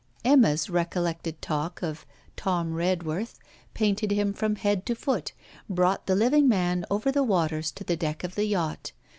Emma's recollected talk of 'Tom Redworth' painted him from head to foot, brought the living man over the waters to the deck of the yacht.